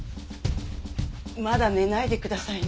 まだ寝ないでくださいね。